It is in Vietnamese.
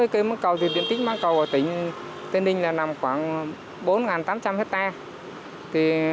cây mãng cầu thì điện tích mãng cầu ở tỉnh tây ninh là nằm khoảng bốn tám trăm linh hectare